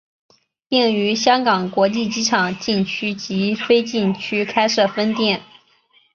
并于香港国际机场禁区及非禁区开设分店。